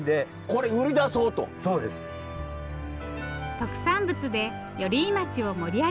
特産物で寄居町を盛り上げたい。